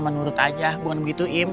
menurut aja bukan begitu im